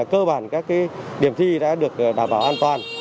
cơ bản các điểm thi đã được đảm bảo an toàn